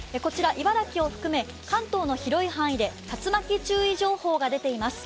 茨城を含め関東の広い範囲で竜巻注意情報が出ています。